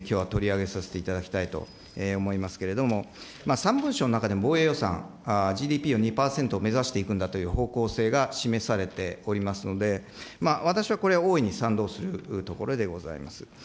特に防衛装備品の開発体制について、きょうは取り上げさせていただきたいと思いますけれども、３文書の中で防衛予算、ＧＤＰの２％目指していくんだという方向性が示されておりますので、私はこれ、大いに賛同するところでございます。